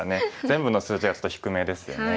全部の数字がちょっと低めですよね。